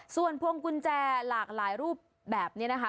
ส่วนพวงกุญแจหลากหลายรูปแบบนี้นะคะ